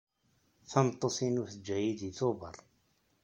Tameṭṭut-iw teǧǧa-yi deg Tubeṛ.